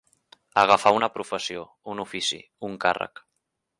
Agafar una professió, un ofici, un càrrec.